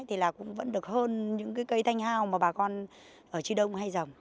thì cũng vẫn được hơn những cây thanh hao mà bà con ở tri đông hay dòng